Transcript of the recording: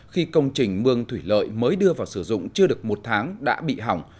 khi công trình mương thủy lợi mới đưa vào sử dụng chưa được một tháng đã bị hỏng